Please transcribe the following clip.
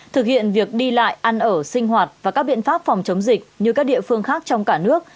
thực hiện việc đi lại ăn ở sinh hoạt và các biện pháp phòng chống dịch như các địa phương khác trong cả nước